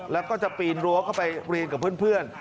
แล้วก็จะปีนรั้วเข้าไปเรียนกับเพื่อน